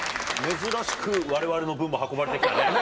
珍しくわれわれの分も運ばれて来たね。